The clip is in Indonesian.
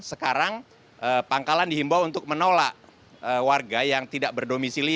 sekarang pangkalan dihimbau untuk menolak warga yang tidak berdomisili